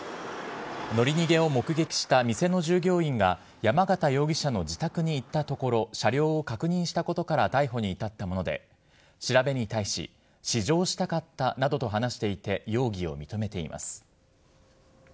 乗り逃げを目撃した店の従業員が山形容疑者の自宅に行ったところ、車両を確認したことから逮捕に至ったもので、調べに対し、試乗したかったなどと話していて、容疑を認めています。